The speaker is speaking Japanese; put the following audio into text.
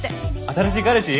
新しい彼氏？